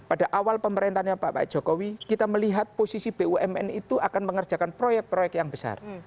pada awal pemerintahnya pak jokowi kita melihat posisi bumn itu akan mengerjakan proyek proyek yang besar